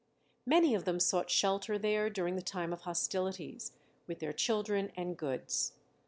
Many of them sought shelter there during the time of hostilities, with their children and goods.